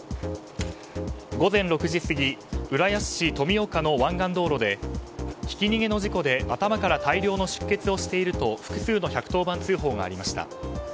午前６時過ぎ浦安市富岡の湾岸道路でひき逃げの事故で頭から大量の出血をしていると複数の１１０番通報がありました。